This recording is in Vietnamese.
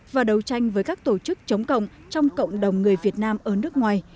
và đấu tranh với các tổ chức chống cộng trong cộng đồng người việt nam ở nước ngoài